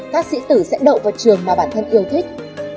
các sĩ tử sẽ đậu vào trường mà bản thân yêu thích